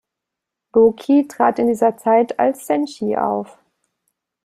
Low Ki trat in dieser Zeit als Senshi auf.